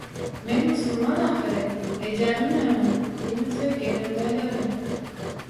«Men musulman ahyry, edýänim näme?» diýmese geňem däl ýaly.